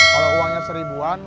kalau uangnya rp satu an